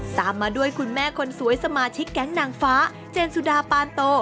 ตามมาด้วยคุณแม่คนสวยสมาชิกแก๊งนางฟ้าเจนสุดาปานโต